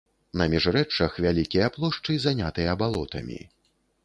На міжрэччах вялікія плошчы занятыя балотамі.